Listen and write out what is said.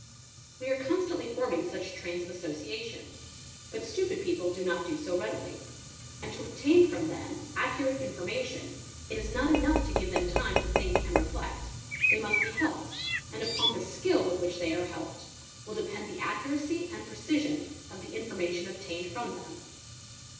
5 We are constantly forming such trains of association: but stupid uy people do not do so readily; and to obtain from them accurate informa tion it is not enough to give them time to think and reflect; they must be helped, and upon the skill with which they are helped will depend the , accuracy and precision of the information obtained from them.